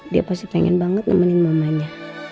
dia pasti pengen banget nemenin mamanya